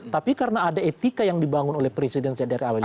tapi karena ada etika yang dibangun oleh presiden dari awal